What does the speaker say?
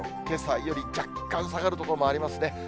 けさより若干下がる所もありますね。